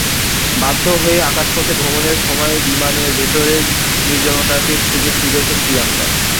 বাধ্য হয়ে আকাশপথে ভ্রমণের সময় বিমানের ভেতরেই নির্জনতাকে খুঁজে ফিরছেন প্রিয়াঙ্কা।